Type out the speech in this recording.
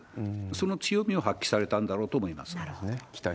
その強みを発揮されたんだろうとなるほど。